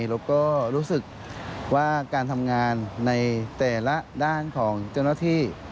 แล้วก็รู้สึกว่าการทำงานในแต่ละด้านของเจ้าหน้าที่